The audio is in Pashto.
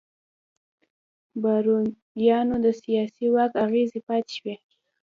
بارونیانو د سیاسي واک اغېزې پاتې شوې.